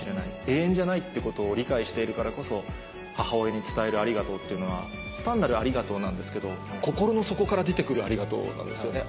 永遠じゃないってことを理解しているからこそ母親に伝える「ありがとう」っていうのは単なる「ありがとう」なんですけど心の底から出て来る「ありがとう」なんですよね。